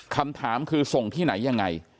คำถามคือส่งที่ไหนยังไง